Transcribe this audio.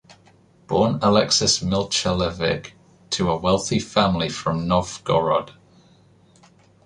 Born Alexis Milchalevich to a wealthy family from Novgorod.